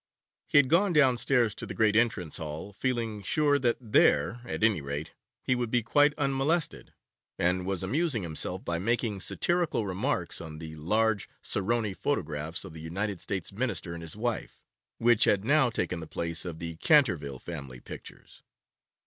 He had gone downstairs to the great entrance hall, feeling sure that there, at any rate, he would be quite unmolested, and was amusing himself by making satirical remarks on the large Saroni photographs of the United States Minister and his wife, which had now taken the place of the Canterville family pictures.